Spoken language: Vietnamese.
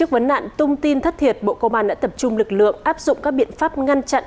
vấn nạn tung tin thất thiệt bộ công an đã tập trung lực lượng áp dụng các biện pháp ngăn chặn